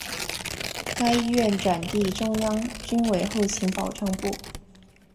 该医院转隶中央军委后勤保障部。